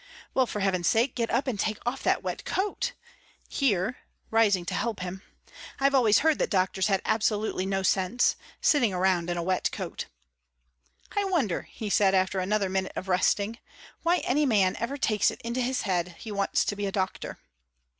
"Well, for heaven's sake get up and take off that wet coat! Here," rising to help him "I've always heard that doctors had absolutely no sense. Sitting around in a wet coat!" "I wonder," he said, after another minute of resting, "why any man ever takes it into his head he wants to be a doctor?"